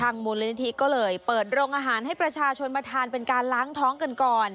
มูลนิธิก็เลยเปิดโรงอาหารให้ประชาชนมาทานเป็นการล้างท้องกันก่อน